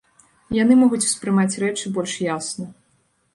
Яны могуць ўспрымаць рэчы больш ясна.